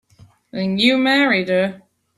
And you married her.